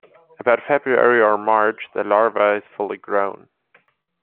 About February or March the larva is fully grown.